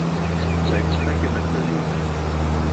Wij vertrekken met plezier.